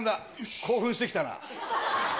興奮してきたな。